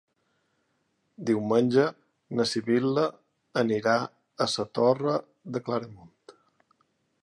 Diumenge na Sibil·la anirà a la Torre de Claramunt.